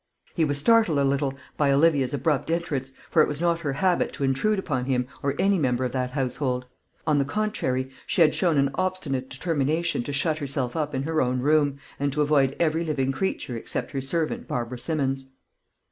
He was startled a little by Olivia's abrupt entrance, for it was not her habit to intrude upon him or any member of that household; on the contrary, she had shown an obstinate determination to shut herself up in her own room, and to avoid every living creature except her servant Barbara Simmons.